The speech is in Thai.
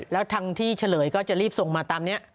แล้วทางที่เฉลยก็จะรีบส่งมาตามนี้